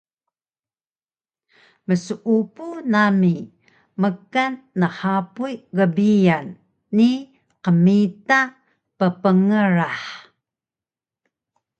Mseupu nami mkan nhapuy gbiyan ni qmita ppngrah